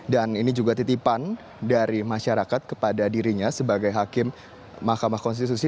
dan ini juga titipan dari masyarakat kepada dirinya sebagai hakim mahkamah konstitusi